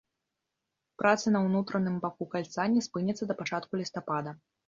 Працы на ўнутраным баку кальца не спыняцца да пачатку лістапада.